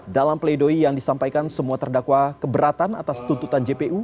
dalam pleidoi yang disampaikan semua terdakwa keberatan atas tuntutan jpu